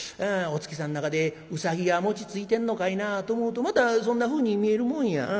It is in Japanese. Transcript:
お月さん中でうさぎが餅ついてんのかいなと思うとまたそんなふうに見えるもんや。